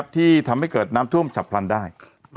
ที่ทำให้เกิดน้ำท่วมฉับพลันได้